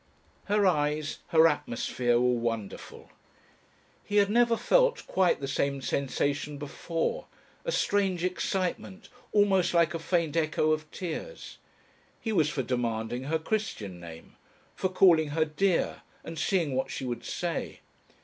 Her eyes, her atmosphere were wonderful. He had never felt quite the same sensation before, a strange excitement, almost like a faint echo of tears. He was for demanding her Christian name. For calling her "dear" and seeing what she would say.